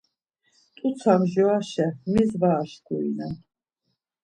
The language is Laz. T̆utsa mjoraşe mis var aşkurinen!